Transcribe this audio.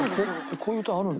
こういう歌あるんだ。